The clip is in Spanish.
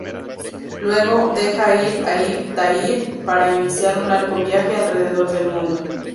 Luego, deja ir a ibn Tahir, para iniciar un largo viaje alrededor del mundo.